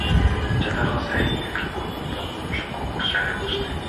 Жада калса эн белги ойлоп табуу үчүн конкурс жарыялашты.